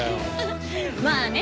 まあね。